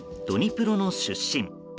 ドニプロの出身。